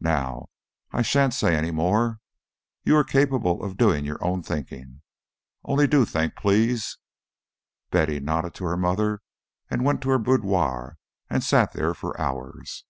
Now, I shan't say any more. You are capable of doing your own thinking. Only do think please." Betty nodded to her mother, and went to her boudoir and sat there for hours.